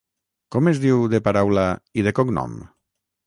Com es diu de paraula, i de cognom?